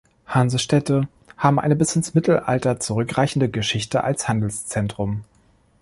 Hansestädte haben eine bis ins Mittelalter zurückreichende Geschichte als Handelszentrum.